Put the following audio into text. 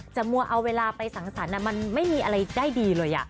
มัวเอาเวลาไปสังสรรค์มันไม่มีอะไรได้ดีเลย